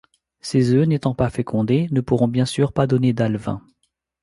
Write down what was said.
Ces œufs, n'étant pas fécondés, ne pourront bien sûr pas donner d'alevins.